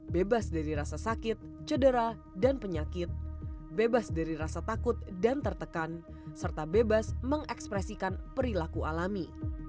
bebas dari rasa sakit cedera dan penyakit bebas dari rasa takut dan tertekan serta bebas mengekspresikan perilaku alami